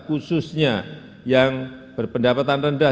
khususnya yang berpendapatan rendah